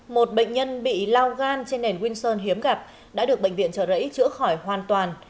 một bệnh nhân bị lao gan trên nền winson hiếm gặp đã được bệnh viện trợ rẫy chữa khỏi hoàn toàn